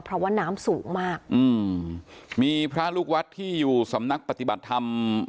เพราะว่าน้ำสูงมากอืมมีพระลูกวัดที่อยู่สำนักปฏิบัติธรรม